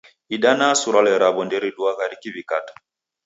Idanaa surwale raw'o nderidua rikiw'ikata.